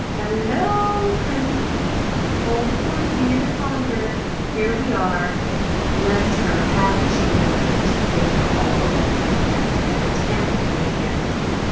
"Halloo, honey! Hold the fort a few minutes longer. Here we are. Bless her, hasn't she been a brick to stay here all alone like this and a tenderfoot at that?"